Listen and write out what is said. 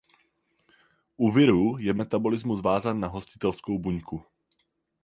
U virů je metabolismus vázán na hostitelskou buňku.